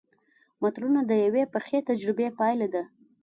متلونه د یوې پخې تجربې پایله ده